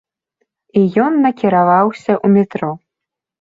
І ён накіраваўся ў метро.